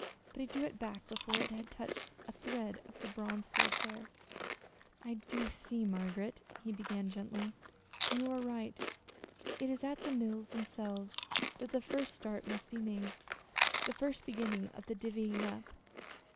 But he drew it back before it had touched a thread of the bronze gold hair. "I do see, Margaret," he began gently, "and you are right. It is at the mills themselves that the first start must be made the first beginning of the 'divvying up.'